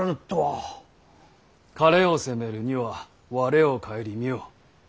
「彼を攻めるには我を顧みよ」。